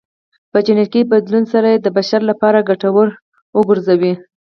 په جنیټیکي بدلون سره یې د بشر لپاره ګټور وګرځوي